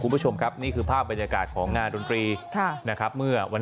คุณผู้ชมครับนี่คือภาพบรรยากาศของงานดนตรีค่ะนะครับเมื่อวัน